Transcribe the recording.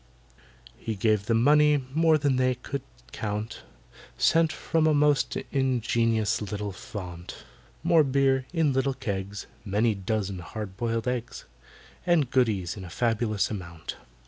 He gave them money, more than they could count, Scent from a most ingenious little fount, More beer, in little kegs, Many dozen hard boiled eggs, And goodies to a fabulous amount.